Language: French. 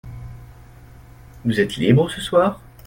Vous êtes libre ce soir ?